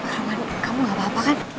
roman kamu enggak apa apa kan